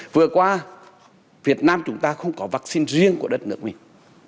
vừa qua việt nam chúng ta không có vắc xin riêng của đất nước mình